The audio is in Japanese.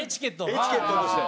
エチケットとして。